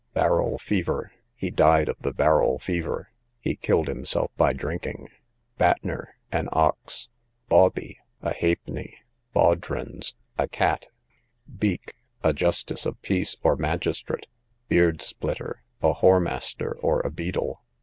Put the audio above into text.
Barrel Fever, he died of the barrel fever; he killed himself by drinking. Battner, an ox. Bawbee, a halfpenny. Baudrons, a cat. Beak, a justice of peace, or magistrate. Beard splitter, a whoremaster, or a beadle.